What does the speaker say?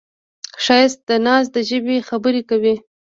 ښایست د ناز د ژبې خبرې کوي